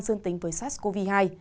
dương tính với sars cov hai